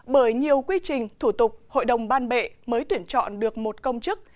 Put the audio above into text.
bởi nhiều quy trình thủ tục hội đồng ban bệ mới tuyển chọn được một công chức